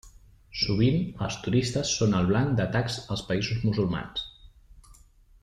Sovint, els turistes són el blanc d'atacs als països musulmans.